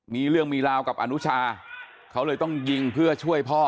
มีเรื่องมีราวกับอนุชาเขาเลยต้องยิงเพื่อช่วยพ่อ